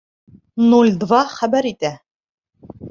— Нуль два хәбәр итә...